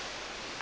あ！